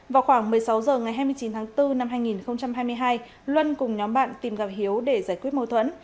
vào khoảng một mươi sáu h ngày hai mươi chín tháng bốn năm hai nghìn hai mươi hai luân cùng nhóm bạn tìm gặp hiếu để giải quyết mâu thuẫn